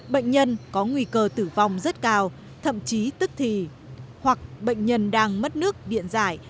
bệnh nhân có nguy cơ tử vong rất cao thậm chí tức thì hoặc bệnh nhân đang mất nước điện giải